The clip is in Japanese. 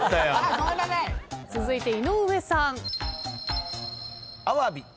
続いて井上さん。